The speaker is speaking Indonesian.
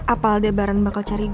apa aldebaran bakal cari gue